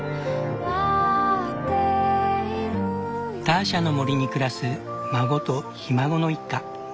ターシャの森に暮らす孫とひ孫の一家。